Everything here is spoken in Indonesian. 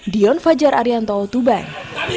dion fajar arianto tubang